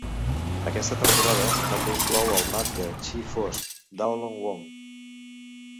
Aquesta temporada també inclou el Mag de Chi Fosc, Daolon Wong.